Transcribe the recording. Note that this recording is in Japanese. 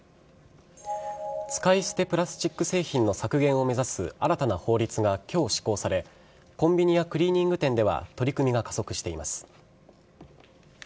使い捨てプラスチック製品の削減を目指す新たな法律が今日、施行されコンビニやクリーニング店では取り組みが加速しています。